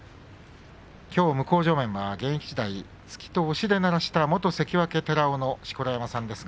きょう向正面は現役時代突きと押しで鳴らした元関脇寺尾の錣山さんです。